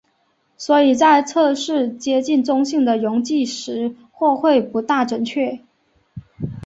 所以在测试接近中性的溶剂时或会不大准确。